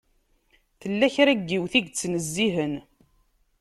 Tella kra n yiwet i yettnezzihen.